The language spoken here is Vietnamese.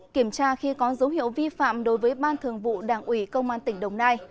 một kiểm tra khi có dấu hiệu vi phạm đối với ban thường vụ đảng ủy công an tỉnh đồng nai